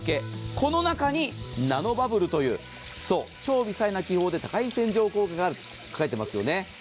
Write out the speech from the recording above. この中にナノバブルという超微細な気泡で高い洗浄効果があると書いてありますね。